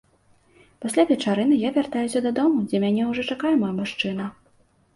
Пасля вечарыны я вяртаюся дадому, дзе мяне ўжо чакае мой мужчына.